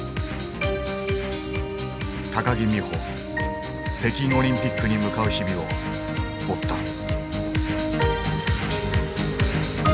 木美帆北京オリンピックに向かう日々を追った。